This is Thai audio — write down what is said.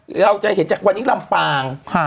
เราจะเห็นจากวันนี้ลำปาง